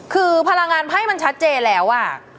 คือพลังงานไพ่มันชัดเจนแล้ว